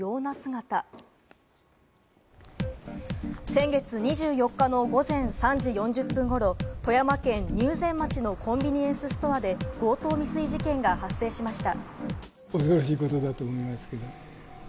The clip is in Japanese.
先月２４日の午前３時４０分頃、富山県入善町のコンビニエンスストアで強盗未遂事件が発生しました。